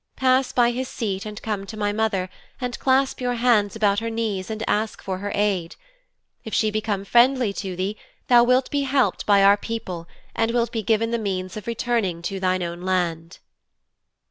Pass by his seat and come to my mother, and clasp your hands about her knees and ask for her aid. If she become friendly to thee thou wilt be helped by our people and wilt be given the means of returning to thine own land.'